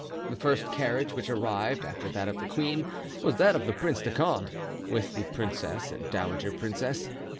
The first carriage which arrived after that of the queen was that of the Prince de Condé, with the princess and dowager princess.